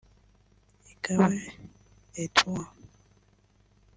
Igabe Edmond